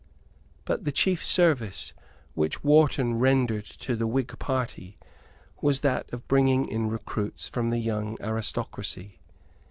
But the chief service which Wharton rendered to the Whig party was that of bringing in recruits from the young aristocracy.